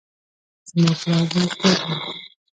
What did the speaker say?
زما پلار بزګر دی